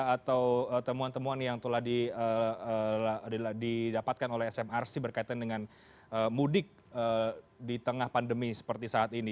atau temuan temuan yang telah didapatkan oleh smrc berkaitan dengan mudik di tengah pandemi seperti saat ini